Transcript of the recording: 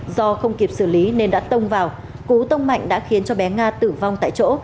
do không kịp xử lý nên đã tông vào cú tông mạnh đã khiến cho bé nga tử vong tại chỗ